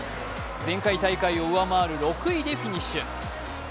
前回大会を上回る６位でフィニッシュ。